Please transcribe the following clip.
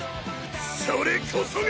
それこそが！